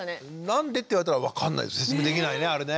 何でって言われたら分かんない説明できないねあれね。